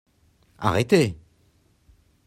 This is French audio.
Arrêtez !